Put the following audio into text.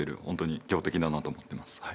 本当に強敵だなと思ってます。